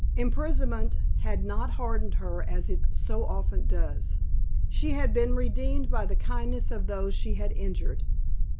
Imprisonment had not hardened her as it so often does. She had been redeemed by the kindness of those she had injured.